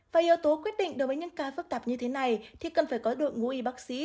và yếu tố quyết định đối với những ca phức tạp như thế này thì cần phải có đội ngũ y bác sĩ